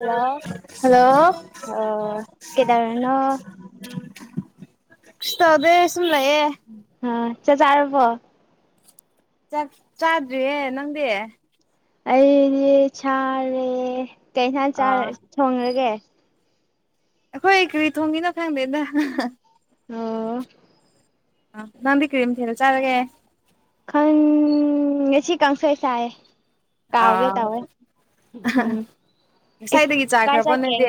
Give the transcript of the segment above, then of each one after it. Hello hello ꯎꯝ ꯑꯣ ꯀꯩꯗꯧꯔꯤꯅꯣ ꯀꯇꯥꯎꯗꯦ ꯁꯤꯨꯝꯂꯌꯦꯦ ꯑ ꯆ ꯆꯔ ꯐ ꯆꯥꯗ꯭ꯔꯤꯌꯦꯦ ꯅꯪꯗꯤ ꯑꯩꯅꯦ ꯁꯥꯔꯦ ꯀꯩꯁꯥꯟ ꯑꯥ ꯊꯣꯡꯈꯒꯦ ꯑꯩꯈꯣꯏ ꯀꯔꯤ ꯊꯣꯡꯒꯤꯅꯣ ꯈꯪꯗꯦꯗ ꯑꯣ ꯑ ꯅꯪꯗꯤ ꯀꯔꯤ ꯃꯊꯦꯜ ꯆꯥꯔꯒꯦ ꯈꯪ ꯉꯁꯤ ꯀꯥꯡꯁꫭꯏ ꯆꯥꯏ ꯀꯥꯎꯥꯎꯒꯦ ꯑꯥ ꯇꯋꯦ ꯎꯝ ꯉꯁꯥꯏꯗꯒꯤ ꯀꯥꯏ ꯆꯥꯈ꯭ꯔꯕꯣ ꯆꯔ ꯀ ꯅꯣꯏꯗꯤ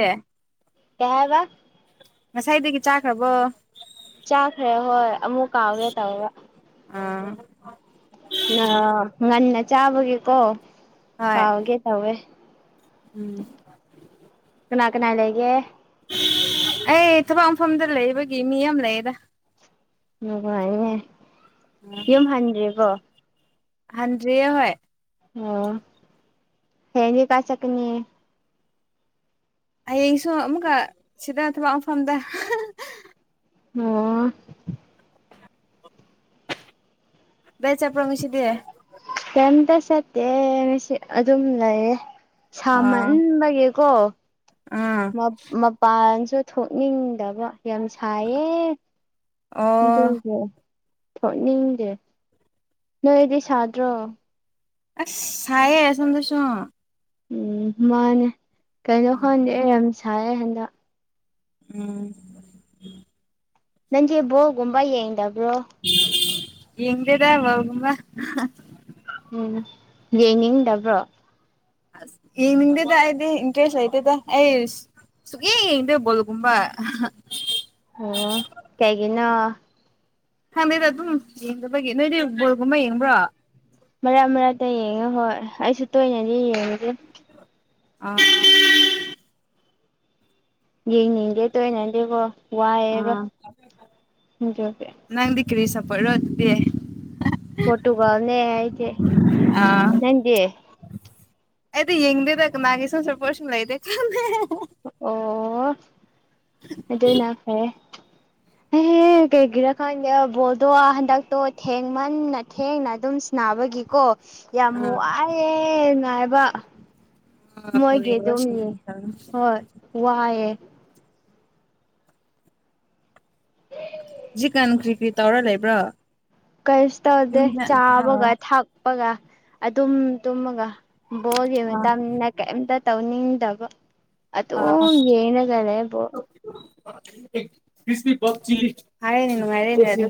ꯀꯩ ꯍꯌꯕ ꯉꯁꯥꯏꯗꯒꯤ ꯆꯥꯈ꯭ꯔꯕꯣ ꯆꯥꯈ꯭ꯔꯦ ꯍꯣꯏ ꯑꯃꯨꯛ ꯀꯥꯎꯒꯦ ꯇꯧꯋꯦ ꯑꯥ ꯑ ꯉꯟꯅ ꯆꯥꯕꯒꯤꯀꯣ ꯍꯣꯏ ꯀꯥꯎꯒꯦ ꯇꯧꯋꯦ ꯎꯝ ꯀꯅꯥ ꯀꯅꯥ ꯂꯩꯒꯦ ꯑꯩ ꯊꯕꯛ ꯃꯐꯝꯗ ꯂꯩꯕꯒꯤ ꯃꯤ ꯑꯃ ꯂꯩꯌꯦꯗ ꯎꯉꯥꯏꯅꯦ ꯌꯨꯝ ꯍꯟꯗ꯭ꯔꯤꯕꯣ ꯍꯥꯟꯗꯔꯤ ꯍꫭꯏ ꯑꯣ ꯍꯅꯤ ꯀꯥꯏ ꯆꯠꯀꯅꯤ ꯍꯌꯦꯡꯁꯨ ꯑꯃꯨꯛꯀ ꯁꯤꯗ ꯊꯕꯛ ꯃꯐꯝꯗ ꯑꯣ ꯕ‌‌ꯦꯠ ꯆꯠꯄ ꯉꯁꯤꯗꯤ ꯀꯌꯨꯝꯇ ꯁꯇꯦ ꯑꯗꯨꯝ ꯂꯩꯌꯦ ꯑꯥ ꯁꯥꯃꯟꯕꯒꯤꯀꯣ ꯑꯥ ꯃꯄꯥꯟꯁꯨ ꯊꯣꯛꯅꯤꯡꯗꯕ ꯌꯥꯝ ꯁꯥꯏꯌꯦ ꯑꯣ ꯅꯦ ꯊꯣꯛꯅꯤꯡꯗꯦ ꯅꯣꯏꯗꯤ ꯁꯥꯗ꯭ꯔꯣ ꯑꯁ ꯆꯥꯏꯌꯦ ꯆꯗꯁ ꯎꯝ ꯃꯥꯅꯦ ꯀꯩꯅꯣ ꯈꯥꯟꯗꯤ ꯑꯩ ꯌꯥꯝ ꯁꯥꯏ ꯍꯟꯗꯛ ꯎꯝ ꯅꯪꯗꯤ ꯕꫭꯜꯒꯨꯝꯕ ꯌꯦꯡꯗꯕ꯭ꯔꯣ ꯌꯦꯡꯗ‌ꯦꯗ ꯃꯃ ꯎꯝ ꯌꯦꯡꯅꯤꯡꯗꯕ꯭ꯔꯣ ꯌꯦ ꯍꯗꯗ ꯍꯥꯏꯗꯦ ꯏ ꯀꯦꯁ ꯑꯇꯗ ꯑꯦꯁ ꯁꯨꯛꯌ‌ꯦꯡ ꯌ‌ꯦꯡꯗ‌ꯦ ꯕꫭꯜ ꯒꯨꯝꯕ ꯑꯣ ꯀꯩꯒꯤꯅ ꯈꯪꯗꯦꯗ ꯑꯗꯨꯝ ꯌꯦꯡꯗꯕꯒꯤ ꯅꯣꯏꯗꯤ ꯕꯜꯒꯨꯝꯕ ꯌꯦꯡꯕ꯭ꯔꯣ ꯃꯔꯛ ꯃꯔꯛꯇ ꯌꯦꯡꯉꯦ ꯍꯣꯏ ꯑꯩꯁꯨ ꯇꯣꯏꯅꯗꯤ ꯌꯦꯡꯉꯨꯁ ꯑ ꯌꯦꯡꯅꯤꯡꯗꯦ ꯇꯣꯏꯅꯗꯦꯕꯣ ꯑ ꯑꯗꯨꯒꯤ ꯅꯪꯗꯤ ꯀꯔꯤ ꯁꯄꯣꯠ ꯑꯣꯗꯦ ꯄꯣꯔꯇꯨꯒꯜꯅꯦ ꯍꯥꯏꯗꯤꯦ ꯅꯪꯗꯤꯦ ꯑꯗꯤ ꯌꯦꯡꯗꯦ ꯇꯀ ꯃꯥꯒꯤ ꯁꯝ ꯁꯄꯣꯁꯟ ꯂꯥꯏꯗ ꯈꯅꯦ ꯑꯣ ꯑꯗꯨꯅ ꯐꯔꯦ ꯍꯍꯦ ꯀꯩꯒꯤꯔꯥ ꯈꯪꯗꯦ ꯕꯣꯜꯗꯣ ꯍꯟꯗꯛꯇꯣ ꯊꯦꯡꯃꯟꯅ ꯊꯦꯡꯅ ꯑꯗꯨꯝꯕꯒꯤꯀꯣ ꯌꯥꯝ ꯑꯥ ꯋꯥꯏꯑꯌꯦꯦ ꯅꯨꯡꯥꯏꯕ [unintelligible] ꯋꯥꯌꯦꯦ ꯖꯤ ꯀꯟ ꯀ꯭ꯔꯤ ꯀꯔꯤ ꯇꯧꯔ ꯂꯩ ꯂꯩꯕ꯭ꯔꯣ ꯀꯔꯤꯁꯨ ꯇꯧꯗꯦ ꯌꯨꯝꯗ ꯑꯥ ꯆꯥꯕꯒ ꯊꯛꯄꯒ ꯑꯗꯨꯝ ꯇꯨꯝꯃꯒ꯫ ꯕꯣꯜꯒꯤ ꯑꯥ ꯃꯇꯝꯅ ꯀꯩꯝꯇ ꯇꯧꯅꯤꯡꯗꯕ꯫ ꯑꯗ ꯑꯥ ꯌꯦꯦꯅꯒꯅꯦꯦꯕ ꯍꯥꯏꯔꯦꯅꯦ ꯅꯨꯡꯉꯥꯏꯔꯦꯅꯦ꯫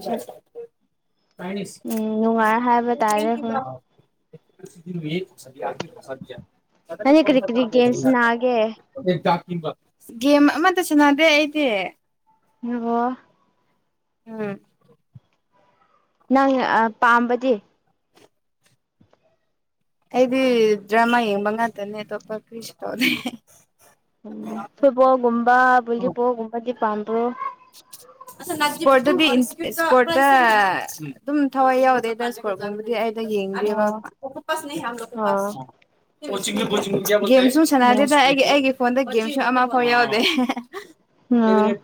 ꯎꯝ ꯅꯨꯡꯉꯥꯏ ꯍꯥꯏꯕ ꯇꯥꯔꯦ ꯍꯣꯏ ꯅꯪꯗꯤ ꯀꯔꯤ ꯀꯔꯤ ꯒꯦꯝ ꯁꯅꯥꯒꯦ [inaudible] ꯒꯦꯝ ꯑꯃꯇ ꯁꯥꯟꯅꯗꯦ ꯑꯩꯗꯤ [unintelligible] ꯎꯝ ꯅꯪ ꯄꯥꯝꯕꯗꯤ ꯑꯩꯗꯤ ꯗ꯭ꯔꯃꯥ ꯌꯦꯡꯕ ꯉꯛꯇꯅꯦ ꯑꯇꯣꯞꯄ ꯀ꯭ꯔꯤꯁ ꯇꯧꯗꯦ꯫ ꯎꯝ ꯐꯣꯏꯕꯣꯒꯨꯝꯕ ꯄꯨꯕꯣꯒꯨꯝꯕꯗꯤ ꯄꯥꯟꯗ꯭ꯔꯣ ꯏꯁꯄꯣꯔꯠꯇꯗꯤ ꯏꯁꯄꯣꯔꯠꯇ ꯑꯗꯨꯝ ꯊꯋꯥꯏ ꯌꯥꯎꯗꯦꯗ ꯏꯁꯄꯣꯔꯠꯀꯨꯝꯕꯗꯤ ꯑꯩ꯫ ꯌꯦꯡꯗꯦꯕ ꯑꯣ ꯑꯣ ꯑꯣꯛꯇꯣꯄꯁ [unintelligible] ꯒꯦꯝꯁꯨ꯫ ꯑꯣ ꯁꯥꯟꯅꯗꯦꯗ ꯑꯩ ꯑꯩꯒꯤ ꯐꯣꯟꯗ ꯒꯦꯝꯁꯨ ꯑꯃꯐꯥꯎ ꯌꯥꯎꯗꯦ ꯑꯣ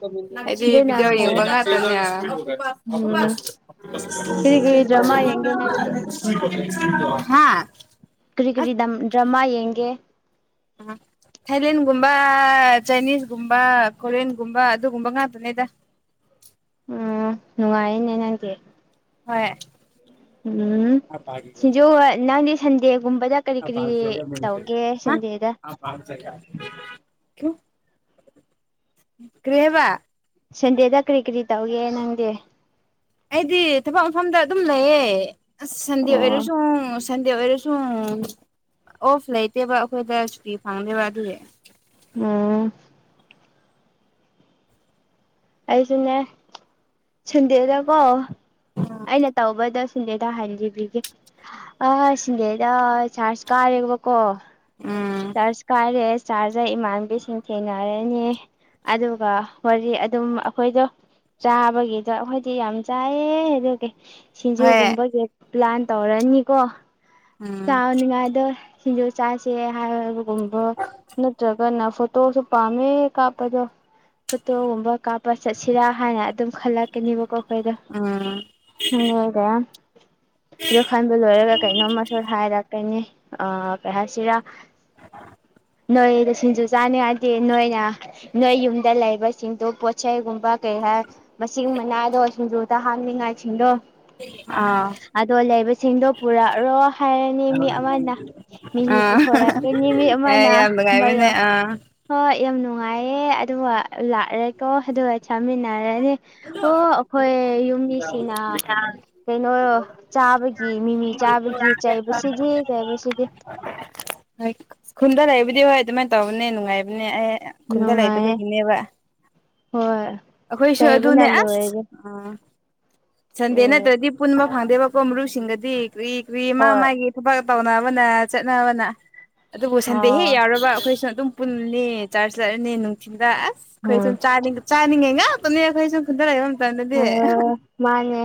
ꯑꯩꯗꯤ ꯑꯗꯨꯅ ꯕꯤꯗꯤꯑꯣ ꯌꯦꯡꯕ ꯐꯔꯦ ꯉꯥꯛꯇꯅꯤ ꯎꯝ ꯀꯔꯤ ꯀꯔꯤ ꯗ꯭ꯔꯃꯥ ꯌꯦꯡꯒꯦ ꯅꯪꯗꯤ ꯍꯥꯥ ꯀꯔꯤ ꯀꯔꯤ ꯗ꯭ꯔꯃꯥ ꯌꯦꯡꯒꯦ ꯎꯝ ꯊꯥꯏꯂꯦꯟꯒꯨꯝꯕ ꯆꯥꯏꯅꯤꯁꯀꯨꯝꯕ ꯀꯣꯔꯤꯌꯟꯒꯨꯝꯕ ꯑꯗꯨꯒꯨꯝꯕ ꯉꯥꯛꯇꯅꯦꯗ ꯎꯝ ꯅꯨꯡꯉꯥꯏꯅꯦ ꯅꯪꯗꯤ꯫ ꯍꯣꯏ꯫ ꯎꯝ ꯁꯤꯖꯨ ꯅꯪꯗꯤ ꯁꯟꯗꯦꯒꯨꯝꯕꯗ꯫ ꯀꯔꯤ ꯀꯔꯤ ꯇꯧꯒꯦ ꯁꯟꯗꯦꯗ ꯀꯔꯤꯍꯥꯏꯕ ꯁꯟꯗꯦꯗ ꯀꯔꯤ ꯀꯔꯤ ꯇꯧꯒꯦ ꯅꯪꯗꯤ ꯑꯩꯗꯤ ꯊꯕꯛ ꯃꯐꯝꯗ ꯑꯗꯨꯝ ꯂꯩꯌꯦ ꯑꯁ ꯁꯟꯗꯦ ꯑꯣ ꯑꯣꯏꯔꯁꯨ꯫ ꯁꯟꯗꯦ ꯑꯣꯏꯔꯁꯨ ꯑꯣꯐ ꯂꯩꯇꯦꯕ ꯑꯩꯈꯣꯏꯗ ꯁꯨꯇꯤ ꯐꯪꯗꯦꯕ ꯑꯗꯨꯒꯤ ꯎꯝ ꯑꯩꯁꯨꯅꯦ ꯁꯟꯗꯦꯗꯀꯣ ꯑꯩꯅ ꯇꯧꯕꯗ꯫ ꯁꯤꯟꯗꯦꯗ ꯍꯥꯏꯟꯕꯤꯒꯦ ꯑ ꯁꯤꯟꯗꯦꯗ ꯆꯔꯖ ꯀꯥꯔꯦꯕꯀꯣ ꯎꯝ ꯆꯔꯁ ꯀꯥꯔꯦꯁ꯫ ꯆꯥꯖꯔ ꯏꯃꯥꯟꯕꯤꯁꯤꯡ ꯊꯦꯡꯅꯔꯅꯤ ꯑꯗꯨꯒ ꯋꯥꯔꯤ ꯑꯗꯨꯝ ꯑꯩꯈꯣꯏꯗꯣ ꯆꯥꯕꯒꯤꯗꯣ ꯑꯩꯈꯣꯏꯗꯤ ꯌꯥꯝ ꯆꯥꯏꯌꯦ ꯑꯗꯨꯒꯤ꯫ ꯍꯣꯏ ꯁꯤꯡꯖꯨꯒꯨꯝꯕꯒꯤ ꯄ꯭ꯂꯥꯟ ꯇꯧꯔꯅꯤꯀꯣ ꯎꯝ ꯆꯥꯅꯤꯉꯥꯏꯗꯣ꯫ ꯁꯤꯡꯖꯨ ꯆꯥꯥꯁꯦ ꯍꯥꯏꯕꯒꯨꯝꯕ ꯅꯠꯇ꯭ꯔꯒꯅ ꯐꯣꯇꯣꯁꯨ ꯄꯥꯝꯃꯦ ꯀꯥꯞꯄꯗꯣ ꯐꯣꯇꯣꯒꯨꯝꯕ ꯀꯥꯞꯄ ꯆꯠꯁꯤꯔꯥ ꯍꯥꯏꯅ ꯑꯗꯨꯝ ꯈꯜꯂꯛꯀꯅꯦꯕꯀꯣ ꯑꯩꯈꯣꯏꯗ ꯎꯝ [unintelligible] ꯑꯗꯨ ꯈꯟꯕ ꯂꯣꯏꯔꯒ ꯀꯩꯅꯣꯝꯃ ꯁꯣꯏꯗꯅ ꯍꯥꯏꯔꯛꯀꯅꯤ ꯑ ꯀꯩ ꯍꯥꯏꯁꯤꯔꯥ ꯅꯣꯏꯗ ꯁꯤꯡꯖ ꯆꯥꯅꯤꯡꯉꯥꯏꯇꯦ ꯅꯣꯏꯅ ꯅꯣꯏ ꯌꯨꯝꯗ ꯂꯩꯕꯁꯤꯡꯗꯨ ꯄꯣꯠꯆꯩꯒꯨꯝꯕ ꯀꯩꯀꯔ ꯃꯁꯤꯡ ꯃꯅꯥꯗꯣ ꯁꯤꯡꯖꯨꯗ ꯍꯥꯞꯅꯤꯡꯉꯥꯏꯁꯤꯡꯗꯣ꯫ ꯑꯥ ꯑꯗꯣ ꯂꯩꯕꯁꯤꯡꯗꯣ ꯄꯨꯔꯛꯔꯣ ꯍꯥꯏꯔꯅꯤ ꯃꯤ ꯑꯃꯅ ꯃꯤꯅꯤ ꯑꯥ ꯄꯨꯊꯣꯔꯛꯀꯦ꯫ ꯃꯤ ꯑꯦ ꯑꯃꯅꯥ ꯌꯥꯝ ꯅꯨꯡꯉꯥꯏꯕꯅꯦ ꯃꯔ ꯑꯥ ꯍꯣꯏ ꯌꯥꯝ ꯅꯨꯡꯉꯥꯏꯌꯦ ꯑꯗꯨꯒ ꯂꯥꯛꯔꯦꯀꯣ ꯑꯗꯨꯒ ꯆꯥꯃꯤꯟꯅꯔꯅꯤ꯫ ꯑꯣ ꯑꯩꯈꯣꯏ ꯌꯨꯝꯃꯤꯁꯤꯡꯅ꯫ ꯀꯩꯅꯣꯣ ꯆꯥꯕꯒꯤ ꯃꯤꯃꯤ ꯆꯥꯕꯒꯤ ꯆꯩꯕꯁꯤꯗꯤ ꯆꯩꯕꯁꯤꯗꯤ ꯍꯣꯏ ꯈꯨꯟꯗ ꯂꯩꯕꯗꯤꯏ ꯍꯣꯏ ꯑꯗꯨꯃꯥꯏꯅ ꯇꯧꯕꯅꯦ ꯅꯨꯡꯉꯥꯏꯕꯅꯦ ꯑꯩ꯫ ꯈꯨꯟꯗ ꯅꯨꯡꯉꯥꯏꯌꯦ ꯂꯩꯕꯗꯨꯒꯤꯅꯦꯕ ꯍꯣꯏ ꯑꯩꯈꯣꯏ꯫ ꯆꯩꯕꯅ ꯑꯗꯨꯅꯦ ꯑꯁ ꯂꯣꯏꯔꯦ ꯎꯝ ꯁꯟꯗꯦ ꯎꯝ ꯅꯠꯇ꯭ꯔꯗꯤ ꯄꯨꯟꯕ ꯐꯪꯗꯦꯕꯀꯣ ꯃꯔꯨꯄꯁꯤꯡꯒꯗꯤ ꯀꯨꯔꯤ ꯀꯨꯏ ꯃꯥ ꯍꯣꯏ ꯃꯥꯒꯤ ꯊꯕꯛ ꯇꯧꯅꯕꯅ ꯆꯠꯅꯕꯅ ꯑꯗꯨꯕꯨ ꯁꯟꯗꯦ ꯍꯦꯛ ꯑꯣ ꯌꯥꯎꯔꯕ ꯑꯩꯈꯣꯏꯁꯨ ꯑꯗꯨꯝ ꯄꯨꯜꯂꯤꯅꯤ ꯆꯥꯔꯖ ꯆꯠꯂꯅꯤ ꯅꯨꯡꯊꯤꯜꯗ ꯑꯁ꯫ ꯈꯣꯏ ꯁꯨꯝ ꯎꯝ ꯆ ꯆꯥꯅꯤꯡꯉꯦ ꯈꯔ ꯃꯇꯝ ꯑꯣ ꯃꯥꯅꯦ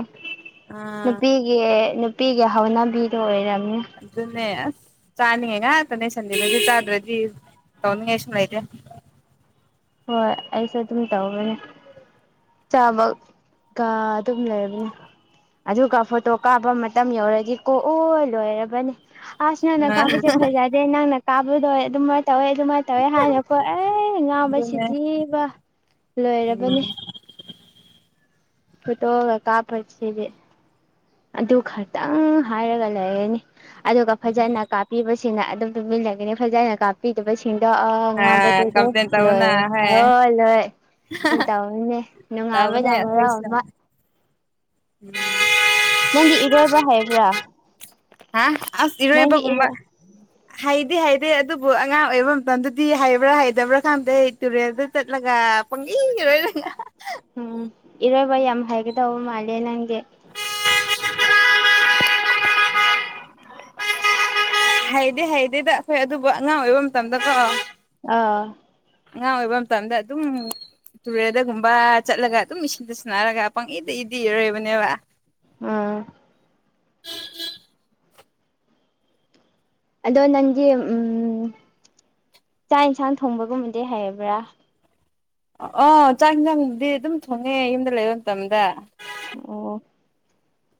ꯑꯥ ꯅꯨꯄꯤ꯫ ꯑꯦ ꯅꯨꯄꯤꯒꯤ ꯍꯧꯅꯕꯤꯗꯣ ꯑꯣꯏꯔꯝꯅꯤ ꯑꯗꯨꯅꯦ ꯆꯥꯅꯤꯡꯉꯥꯏ ꯉꯛꯇꯅꯦ ꯁꯟꯗꯦꯗꯗꯤ ꯆꯥꯗꯔꯗꯤ ꯇꯧꯅꯤꯡꯉꯥꯏꯁꯨ ꯂꯩꯇꯔꯦ ꯍꯣꯏ ꯑꯩꯁꯨ ꯑꯗꯨꯝ ꯇꯧꯔꯤꯅꯦ ꯆꯥꯕꯒ ꯑꯗꯨꯝ ꯂꯩꯔꯕꯅꯦ ꯑꯗꯨꯒ ꯐꯣꯇꯣ ꯀꯥꯞꯄ ꯃꯇꯝ ꯌꯧꯔꯗꯤ ꯀꯣꯛꯑꯣ ꯂꯣꯏꯔꯕꯅꯤ ꯑꯁ ꯅꯪꯅ ꯑ ꯀꯥꯞꯄꯁꯦ ꯐꯖꯗꯦ ꯅꯪꯅ ꯀꯥꯞꯄꯗꯣ ꯑꯗꯨꯃꯥꯏꯅ ꯇꯧꯋꯦ ꯑꯗꯨꯃꯥꯏꯅ ꯇꯧꯋꯦ ꯍꯥꯏꯅꯀꯣ ꯑꯦ ꯉꯥꯡꯕ ꯑꯗꯨꯅꯦ ꯁꯤꯗꯤꯕ ꯂꯣꯏꯔꯕꯅꯦ ꯐꯣꯇꯣꯒ ꯀꯥꯞꯄꯁꯤꯗꯤ ꯑꯗꯨ ꯈꯛꯇꯪ ꯍꯥꯏꯔꯒ ꯂꯩꯔꯅꯤ ꯑꯗꯨꯒ ꯐꯖꯅ ꯀꯥꯞꯄꯤꯕꯁꯤ ꯁꯤꯅ ꯑꯗꯨꯝ ꯇꯨꯃꯤꯟ ꯂꯩꯒꯔꯅꯤ ꯐꯖꯅ ꯀꯥꯞꯄꯤꯗꯕꯁꯤꯡꯗꯣ ꯑ ꯀꯝꯄ꯭ꯂꯦꯟ ꯇꯧꯕꯅ ꯍꯣꯏ [unintelligible] ꯇꯧꯅꯦ ꯇꯧꯕꯅꯦ ꯅꯨꯡꯉꯥꯏꯕꯅ ꯃꯔꯣꯜ ꯑꯩꯈꯣꯏꯁꯨ ꯑꯃ [unintelligible] ꯅꯪꯒꯤ ꯏꯔꯣꯏꯕ ꯍꯥꯏꯕ꯭ꯔꯥ ꯍꯥ ꯅꯪꯒꯤꯔꯣꯏ ꯍꯥꯏꯗꯤ ꯍꯥꯏꯗꯦ ꯑꯗꯨꯕꯨ ꯑꯉꯥꯡ ꯑꯣꯏꯕ ꯃꯇꯝꯗꯨꯗꯤ ꯍꯥꯏꯕ꯭ꯔꯥ ꯍꯥꯏꯇꯕ꯭ꯔꯥ ꯈꯥꯟꯗꯦ ꯑꯩ ꯇꯨꯔꯦꯜꯗ ꯆꯠꯂꯒ꯫ ꯄꯪ ꯏꯡꯒ ꯂꯣꯏꯔꯅ ꯎꯝ ꯏꯔꯣꯏꯕ ꯌꯥꯝ ꯍꯥꯏꯒꯗꯧꯕ ꯃꯥꯜꯂꯦ ꯅꯪꯗꯤ ꯍꯥꯏꯗꯤ ꯍꯥꯏꯗꯦꯗ ꯑꯩꯈꯣꯏ ꯑꯗꯨꯕꯨ ꯑꯉꯥꯡ ꯑꯣꯏꯕ ꯃꯇꯝꯗꯀꯣ ꯑꯥ꯫ ꯑꯉꯥꯡ ꯑꯣꯏꯕ ꯃꯇꯝꯗ ꯑꯗꯨꯝ꯫ ꯇꯨꯔꯦꯜꯗꯒꯨꯝꯕ ꯆꯠꯂꯒ ꯑꯗꯨꯝ ꯏꯁꯤꯡꯗ ꯁꯟꯅꯔꯒ ꯄꯪꯏꯗ ꯏꯗꯤ ꯏꯔꯣꯏꯕꯅꯦꯕ꯫ ꯎꯝ꯫ ꯑꯗꯣ ꯅꯪꯒꯤ ꯆꯥꯛ ꯌꯦꯟꯁꯥꯡ ꯊꯣꯡꯕꯒꯨꯝꯕꯗꯤ ꯍꯩꯕ꯭ꯔꯥ ꯑꯣ ꯆꯥꯛ ꯌꯦꯟꯁꯥꯡꯕꯨꯗꯤ ꯑꯗꯨꯝ ꯊꯣꯡꯉꯦ ꯌꯨꯝꯗ ꯂꯩꯕ ꯃꯇꯝꯗ꯫ ꯑꯣ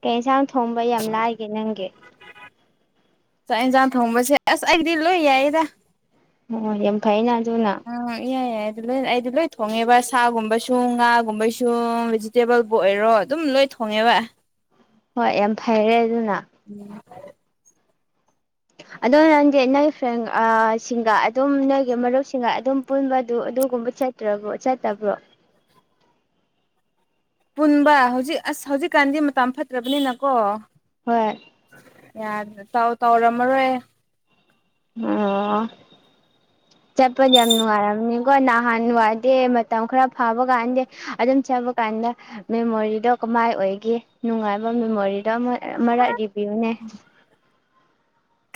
ꯀꯩ ꯌꯦꯟꯁꯥꯡ ꯊꯣꯡꯕ ꯌꯥꯝ ꯂꯥꯏꯒꯦ ꯅꯪꯒꯤ꯫ ꯆꯥꯛ ꯌꯦꯟꯁꯥꯡ ꯊꯣꯡꯕꯁꯦ ꯑꯁ ꯑꯩꯗꯤ ꯂꯣꯏ ꯌꯥꯏꯗ ꯑꯣ ꯌꯥꯝ ꯐꯩꯑꯦꯅ ꯑꯗꯨꯅ꯫ ꯎꯝ ꯏꯌꯥ ꯌꯥꯏ ꯑꯗꯨ ꯂꯣꯏ ꯑꯩꯗꯤ ꯂꯣꯏ ꯊꯣꯡꯉꯦꯕ ꯁꯥꯒꯨꯝꯕꯁꯨ ꯉꯥꯒꯨꯝꯕꯁꯨ꯫ ꯇꯦꯕꯜꯕꯨ ꯑꯣꯏꯔꯣ ꯑꯗꯨꯝ ꯂꯣꯏ ꯊꯣꯡꯉꯦꯕ ꯫ ꯍꯣꯏ ꯌꯥꯝ ꯐꯩꯔꯦ ꯑꯗꯨꯅ ꯎꯝ ꯑꯗꯣ ꯅꯪꯁꯦ ꯅꯣꯏ ꯐ꯭ꯔꯦꯟ ꯁꯤꯡꯒ ꯑꯗꯨꯝ ꯅꯣꯏꯒꯤ ꯃꯔꯨꯞꯁꯤꯡꯒ ꯑꯗꯨꯝ ꯄꯨꯟꯕ ꯑꯗꯨ ꯑꯗꯨꯒꯨꯝꯕ ꯆꯠ꯫ ꯇ꯭ꯔꯕꯣ ꯆꯠꯇꯕ꯭ꯔꯣ ꯄꯨꯟꯕ ꯍꯧꯖꯤꯛ ꯑꯁ ꯍꯧꯖꯤꯛꯀꯥꯟꯗꯤ ꯃꯇꯝ ꯐꯠꯇ꯭ꯔꯕꯅꯤꯅꯀꯣ ꯍꯣꯏ ꯌꯥꯗ꯭ꯔꯦ ꯇꯧ ꯇꯧꯔꯝꯃꯔꯣꯏꯍꯦ ꯑꯣ ꯆꯠꯄꯗ ꯌꯥꯝ ꯅꯨꯡꯉꯥꯏꯔꯝꯅꯤꯀꯣ ꯅꯍꯥꯟ ꯋꯥꯏꯗꯤ ꯃꯇꯝ ꯈꯔ ꯐꯥꯕ ꯀꯥꯟꯗꯦ ꯑꯗꯨꯝ ꯆꯠꯄ ꯀꯥꯟꯗ ꯃꯦꯃꯣꯔꯤꯗꯣ ꯀꯃꯥꯏ ꯑꯣꯏꯒꯦ ꯅꯨꯡꯉꯥꯏꯕ ꯃꯦꯃꯣꯔꯤꯗꯣ ꯃꯔꯛ ꯔꯤꯕꯤꯌꯨꯅꯦ꯫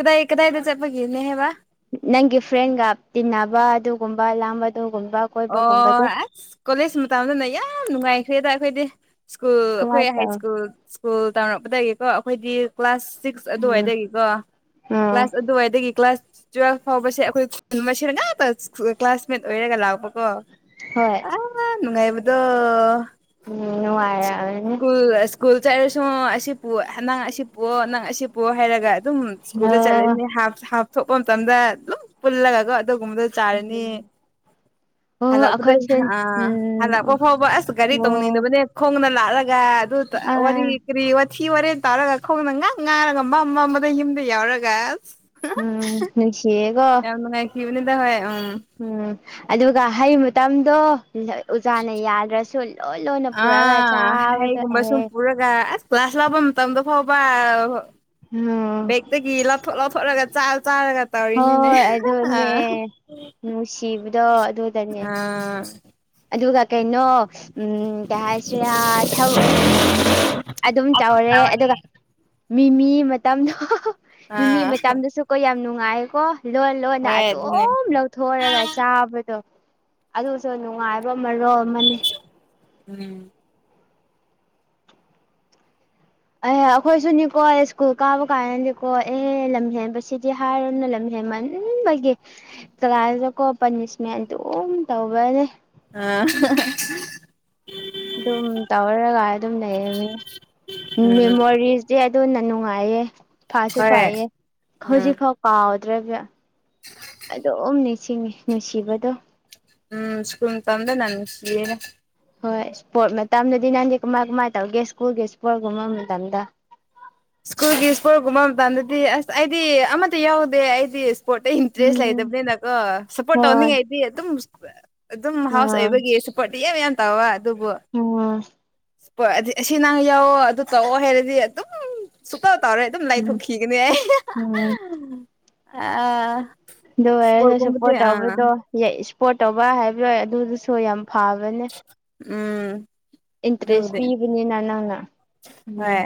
ꯀꯗꯥꯏ ꯀꯗꯥꯏꯗ ꯆꯠꯄꯒꯤꯅꯦꯕ ꯅꯪꯒꯤ ꯐ꯭ꯔꯦꯟꯒ ꯇꯤꯟꯅꯕ ꯑꯗꯨꯒꯨꯝꯕ ꯂꯥꯡꯕ ꯑꯗꯨꯒꯨꯝꯕ ꯑꯣ ꯀꯣꯏꯕꯒꯨꯝꯕꯗꯣ ꯑꯁ ꯀꯣꯂꯦꯖ ꯃꯇꯝꯗꯅ ꯌꯥꯝ ꯅꯨꯡꯉꯥꯏꯈ꯭ꯔꯦꯗ ꯑꯩꯈꯣꯏꯗꯤ ꯁ꯭ꯀꯨꯜ ꯀꯃꯥꯏ ꯑꯩꯈꯣꯏ ꯍꯥꯏ ꯇꯧ ꯁ꯭ꯀꯨꯜ ꯁ꯭ꯀꯨꯜ ꯇꯝꯃꯛꯄꯗꯒꯤꯀꯣ ꯑꯩꯈꯣꯏꯗꯤ꯫ ꯀ꯭ꯂꯥꯁ ꯁꯤꯛꯁ ꯎꯝ ꯑꯗꯨꯋꯥꯏꯗꯒꯤꯀꯣ ꯑꯥ ꯀ꯭ꯂꯥꯁ ꯑꯗꯨꯋꯥꯏꯗꯒꯤ ꯀ꯭ꯂꯥꯁ ꯇꯨꯋꯦꯜꯐ ꯐꯥꯎꯕꯁꯦ ꯑꯩꯈꯣꯏ ꯈꯨꯟ ꯃꯁꯦꯟ ꯉꯥꯛꯇꯥ ꯀ꯭ꯂꯥꯁꯃꯦꯠ ꯑꯣꯏꯔꯒ ꯂꯥꯛꯄꯀꯣ ꯍꯣꯏ ꯌꯥꯝ ꯅꯨꯡꯉꯥꯏꯕꯗꯣ ꯎꯝ ꯅꯨꯡꯉꯥꯏꯔꯝꯒꯅꯤ ꯁ꯭ꯀꯨꯜ ꯁ꯭ꯀꯨꯜ ꯆꯠꯔꯁꯨ ꯑꯁꯤꯄꯨ ꯅꯪ ꯑꯁꯤ ꯄꯣꯛꯑꯣ ꯅꯪ ꯑꯁꯤ ꯄꯣꯛꯑꯣ ꯍꯥꯏꯔꯒ ꯑꯗꯨꯝ ꯁ꯭ꯀꯨꯜꯗ ꯑꯣ ꯆꯠꯂꯅꯤ ꯍꯥꯞ ꯍꯥꯞꯊꯣꯛꯄ ꯃꯇꯝꯗ ꯂꯨꯝ ꯄꯨꯜꯂꯒꯒ ꯑꯗꯨꯒꯨꯝꯕꯗ ꯆꯥꯔꯅꯤ ꯎꯝ ꯑꯣ ꯍꯜꯂꯛꯄꯗ ꯑꯩꯈꯣꯏꯁꯦ ꯑ ꯎꯝ ꯍꯜꯂꯛꯄ ꯐꯥꯎꯕ ꯑꯁ ꯒꯥꯔꯤ ꯑꯣ ꯇꯧꯅꯤꯡꯗꯕꯅꯦ ꯈꯣꯡꯅ ꯂꯥꯛꯂꯒ ꯑꯗꯨ ꯋꯥꯔꯤ ꯑꯥ ꯀꯔꯤ ꯋꯥꯊꯤ ꯋꯥꯔꯦꯟ ꯇꯥꯔꯒ ꯈꯣꯡꯅ ꯉ ꯉꯥꯔꯒ ꯃꯝ ꯃꯝ ꯃꯝꯃꯒ ꯌꯨꯝꯗ ꯌꯥꯎꯔꯒ ꯑꯁ ꯎꯝ ꯅꯨꯡꯁꯤꯌꯦꯀꯣ ꯌꯥꯝ ꯅꯨꯡꯉꯥꯢꯈꯤꯕꯅꯤꯗ ꯍꯣꯢ ꯎꯝ ꯎꯝ ꯑꯗꯨꯒ ꯍꯩ ꯃꯇꯝꯗꯣ ꯎꯖꯥꯅ ꯌꯥꯗ꯭ꯔꯁꯨ ꯂꯣꯏ ꯂꯣꯏꯅ ꯄꯨꯔꯒ ꯑꯥ ꯆꯥꯕꯗꯣ ꯍꯩꯒꯨꯝꯕ ꯁꯨꯝ ꯑꯦꯍꯦ ꯄꯨꯔꯒ ꯑꯁ ꯀ꯭ꯂꯥꯁ ꯂꯥꯛꯄ ꯃꯇꯝꯗ ꯐꯥꯎꯕ ꯎꯝ ꯑꯗꯒꯤ ꯂꯧꯊꯣꯛꯠ ꯂꯧꯊꯣꯛꯠꯂꯒ ꯆꯥꯔ ꯆꯥꯔꯒ ꯇꯧꯔꯤꯅꯤꯅꯦ ꯍꯣꯏ ꯑꯗꯨꯅꯦ ꯑ ꯅꯨꯡꯁꯤꯕꯗꯣ ꯑꯗꯨ ꯑꯥ ꯑꯗꯨꯒ ꯀꯩꯅꯣ ꯎꯝ ꯀꯩ ꯍꯥꯏꯁꯤꯔꯥ ꯎꯝ ꯑꯗꯨꯝ ꯆꯥꯎꯔꯦ ꯑꯗꯨꯒ ꯃꯤꯃꯤ ꯃꯇꯝꯗꯣ ꯃꯤꯃꯤ ꯑꯥ ꯃꯇꯝꯗꯁꯨꯀꯣ ꯌꯥꯝ ꯅꯨꯡꯉꯥꯏꯀꯣ ꯂꯣꯟ ꯂꯣꯟꯅ ꯍꯣꯏ ꯑꯗꯨꯅꯦ ꯑꯗꯨꯝ ꯂꯧꯊꯣꯔꯒ ꯆꯥꯕꯗꯣ ꯑꯗꯨꯁꯨ ꯅꯨꯡꯉꯥꯏꯕ ꯃꯔꯣꯜ ꯑꯃꯅꯦ ꯎꯝ ꯑꯦꯍ ꯑꯩꯈꯣꯏꯁꯨꯅꯤꯀꯣ ꯁ꯭ꯀꯨꯜ ꯀꯥꯕ ꯀꯥꯟꯅꯅꯤꯀꯣ ꯑꯦ ꯂꯝ ꯍꯦꯟꯕꯁꯤꯗꯤ ꯁꯥꯔꯅ ꯂꯝ ꯍꯦꯃꯟꯕꯒꯤ ꯀꯂꯥꯁꯇꯀꯣ ꯄꯅꯤꯁꯃꯦꯟ ꯑꯗꯨꯝ ꯇꯧꯕꯅꯦ [unintelligible] ꯑꯗꯨꯝ ꯇꯧꯔꯒ ꯑꯗꯨꯝ ꯂꯩꯌꯦꯅꯦ ꯎꯝ ꯃꯦꯃꯣꯔꯤꯁꯇꯤ ꯑꯗꯨꯅ ꯅꯨꯡꯉꯥꯏꯌꯦ ꯐꯁꯨ ꯍꯣꯏ ꯐꯩꯌꯦ ꯎꯝ ꯍꯧꯖꯤꯛ ꯐꯥꯎ ꯀꯥꯎꯗ꯭ꯔꯕ ꯑꯗꯨꯝ ꯅꯤꯡꯁꯤꯡꯉꯤ ꯅꯨꯡꯁꯤꯕꯗꯣ ꯎꯝ ꯁꯀꯨꯜ ꯇꯝꯗꯅ ꯅꯨꯡꯁꯤꯌꯦ ꯍꯣꯏ ꯏꯁꯄꯣꯔꯠ ꯃꯇꯝꯗꯗꯤ ꯅꯪꯗꯤ ꯀꯃꯥꯏ ꯀꯃꯥꯏ ꯇꯧꯒꯦ ꯁ꯭ꯀꯨꯜꯒꯤ ꯏꯁꯄꯣꯔꯠꯀꯨꯝꯕ ꯃꯇꯝꯗ ꯁ꯭ꯀꯨꯜꯒꯤ ꯏꯁ꯭ꯄꯣꯔꯒꯨꯝꯕ ꯃꯇꯝꯗꯗꯤ ꯑꯁ ꯑꯩꯗꯤ ꯑꯃꯠꯇ ꯌꯥꯎꯗꯦ ꯑꯩꯗꯤ ꯁꯄꯣꯔꯠ ꯇ ꯏꯟꯇ꯭ꯔꯦꯁ ꯎꯝ ꯂꯩꯗꯕꯅꯤꯅꯀꯣ ꯁꯄꯣꯔꯠ ꯍꯣꯏ ꯇꯧꯅꯤꯡꯉꯥꯏꯗꯤ ꯑꯗꯨꯝ ꯑꯗꯨꯝ ꯍꯥꯎꯁ ꯑꯥ ꯑꯣꯏꯕꯒꯤ ꯁꯨꯄꯣꯔꯇꯤ ꯌꯥꯝ ꯌꯥꯝ ꯇꯧꯋ ꯑꯗꯨꯕꯨ ꯎꯝ ꯍꯣꯏ ꯑꯗꯨꯗꯤ ꯑꯁꯤ ꯅꯪ ꯌꯥꯎꯑꯣ ꯑꯗꯨ ꯇꯧꯑꯣ ꯍꯥꯏꯔꯗꯤ ꯑꯗꯨꯝ ꯁꯨꯛꯇꯧ ꯇꯧꯔꯣꯢ ꯑꯗꯨꯝ ꯎꯝ ꯂꯥꯏꯊꯣꯛꯈꯤꯒꯅꯤ ꯎꯝ ꯑ ꯑꯗꯨ ꯑꯣꯏꯔꯁꯨ ꯁꯄꯣꯔꯠ ꯇꯧꯕꯗꯣ ꯏꯁꯄꯣꯔꯠ ꯇꯧꯕ ꯍꯥꯏꯕ ꯑꯗꯨꯗꯨꯁꯨ ꯌꯥꯝ ꯐꯕꯅꯦ ꯎꯝ ꯏꯟꯇꯔꯦꯁ ꯑꯗꯨꯕꯨꯗꯤ ꯄꯤꯕꯅꯤꯅ ꯅꯪꯅ ꯎꯝ ꯍꯣꯏ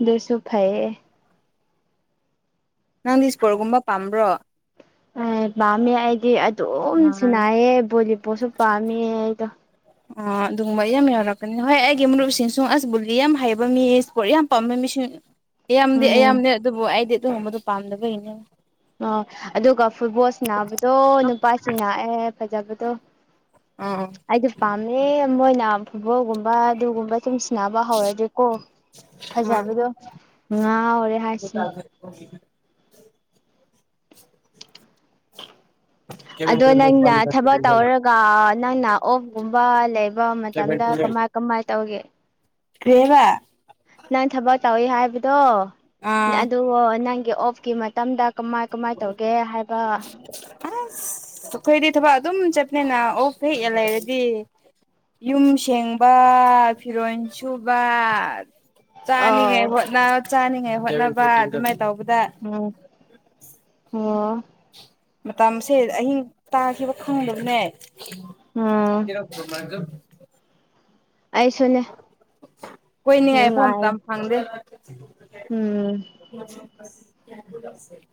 ꯑꯗꯨꯁꯨ ꯐꯩꯌꯦ ꯅꯪꯗꯤ ꯏꯁꯄꯣꯔꯠꯒꯨꯝꯕ ꯄꯥꯝꯕ꯭ꯔꯣ ꯑꯦ ꯄꯥꯝꯃꯦ ꯑꯩꯗꯤ ꯑꯥ ꯑꯗꯨꯝꯁꯨꯅꯥꯏꯌꯦ ꯕꯣꯂꯤꯕꯣꯠꯁꯨ ꯄꯥꯝꯃꯦ ꯑꯩꯗꯣ ꯑ ꯑꯗꯨꯒꯨꯝꯕ ꯌꯥꯝ ꯌꯥꯎꯔꯛꯀꯅꯤ ꯍꯣꯏ ꯑꯩꯒꯤ ꯃꯔꯨꯞꯁꯤꯡꯁꯨ ꯑꯁ ꯕꯨꯜꯂꯤ ꯌꯥꯝ ꯍꯩꯕ ꯃꯤ ꯏꯁꯄꯣꯔꯠ ꯌꯥꯝ ꯄꯥꯝꯕ ꯃꯤꯁꯤꯡ ꯑꯌꯥꯝꯗꯤ ꯎꯝ ꯑꯌꯥꯝꯗꯤ ꯑꯗꯨꯕꯨ ꯑꯩꯗꯤ ꯑꯗꯨꯝ ꯒꯨꯝꯕꯗꯣ ꯄꯥꯝꯗꯕꯩꯒꯤꯅꯦ ꯑꯣ ꯑꯗꯨꯒ ꯐꯨꯠꯕꯣꯜꯁꯤ ꯁꯅꯥꯕꯗꯣ ꯅꯨꯄꯥꯁꯤꯡꯅꯥꯑꯦ ꯐꯖꯕꯗꯣ [unintelligible] ꯑꯩꯗꯣ ꯄꯥꯝꯃꯦ ꯃꯣꯏꯅ ꯐꯨꯠꯕꯣꯜꯒꯨꯝꯕ ꯑꯗꯨꯒꯨꯝꯕ ꯁꯨꯝ ꯁꯟꯅꯕ ꯍꯧꯔꯗꯤꯀꯣ ꯑꯥ ꯐꯖꯕꯗꯣ ꯉꯥꯥꯎꯔꯦ ꯍꯥꯏꯁꯤ [unintelligible] ꯑꯗꯣ ꯅꯪꯅ ꯊꯕꯛ ꯇꯧꯔꯒ ꯅꯪꯅ ꯑꯣꯐꯒꯨꯝꯕ ꯂꯩꯕ ꯃꯇꯝꯗ ꯀꯃꯥꯏ ꯀꯃꯥꯏ ꯇꯧꯒꯦ ꯀꯔꯦꯕꯥ ꯅꯪ ꯊꯕꯛ ꯇꯧꯏ ꯍꯥꯏꯕꯗꯣ ꯑꯥ ꯑꯗꯨ ꯅꯪꯒꯤ ꯑꯣꯐꯀꯤ ꯃꯇꯝꯗ ꯀꯃꯥꯏ ꯀꯃꯥꯏ ꯇꯧꯒꯦ ꯍꯥꯏꯕ ꯑꯁ ꯑꯩꯈꯣꯏꯗꯤ ꯊꯕꯛ ꯑꯗꯨꯝ ꯆꯞꯅꯤꯅ ꯑꯣ ꯐ ꯍꯦꯛꯌꯦ ꯂꯩꯔꯗꯤ ꯌꯨꯝ ꯁꯦꯡꯕ ꯐꯤꯔꯣꯟ ꯁꯨꯕ ꯑꯥꯎ ꯆꯥꯅꯤꯉꯥꯏ ꯍꯣꯠꯅ ꯆꯥꯅꯤꯉꯥꯏ ꯍꯣꯠꯅꯕ ꯑꯗꯨꯃꯥꯏꯅ ꯇꯧꯕꯗ ꯎꯝ ꯑꯣ ꯃꯇꯝꯁꯦ ꯑꯍꯤꯡ ꯇꯥꯈꯤꯕ ꯈꯪꯗꯕꯅꯦ ꯎꯝ ꯑꯩꯁꯨꯅꯦ ꯀꯣꯏꯅꯤꯉꯥꯏꯐꯥꯎ ꯅꯨꯡꯉꯥꯏ ꯃꯇꯝ ꯐꯪꯗꯦ ꯎꯝ [inaudible]